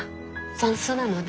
算数なので。